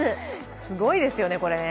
すごいですよね、これね。